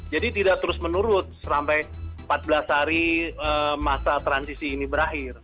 jadi tidak terus menurut sampai empat belas hari masa transisi ini berakhir